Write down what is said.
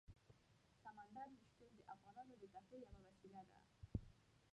سمندر نه شتون د افغانانو د تفریح یوه وسیله ده.